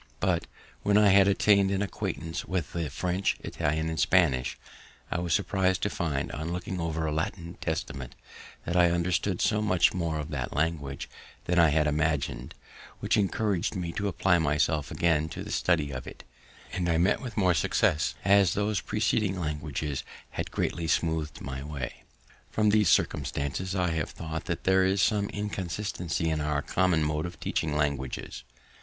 But, when I had attained an acquaintance with the French, Italian, and Spanish, I was surpris'd to find, on looking over a Latin Testament, that I understood so much more of that language than I had imagined, which encouraged me to apply myself again to the study of it, and I met with more success, as those preceding languages had greatly smooth'd my way. From these circumstances, I have thought that there is some inconsistency in our common mode of teaching languages.